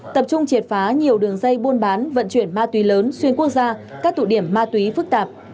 tập trung triệt phá nhiều đường dây buôn bán vận chuyển ma túy lớn xuyên quốc gia các tụ điểm ma túy phức tạp